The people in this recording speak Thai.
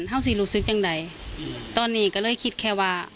เท่าสิรู้สึกยังไงตอนนี้ก็เลยคิดแค่ว่า